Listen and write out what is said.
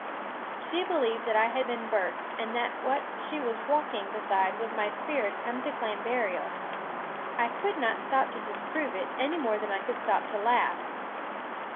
She believed that I had been burked, and that what she saw walking beside was my spirit come to claim burial. I could not stop to disprove it, any more than I could stop to laugh.